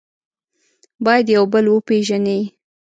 باید یو بل وپېژنئ.